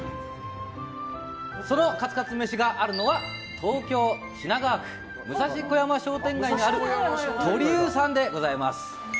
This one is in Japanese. そのカツカツ飯があるのは東京・品川区武蔵小山商店街にある鳥勇さんでございます。